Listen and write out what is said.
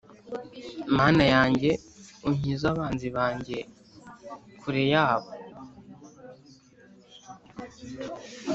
Mana yanjye unkize abanzi banjye kure yabo